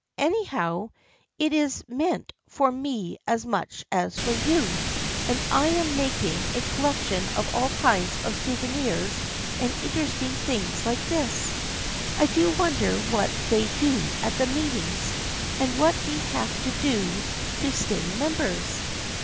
Anyhow, it is meant for me as much as for you, and I am mak ing a collection of all kinds of souvenirs and in teresting things like this. I do wonder what they do at the meetings and what we have to do to stay members.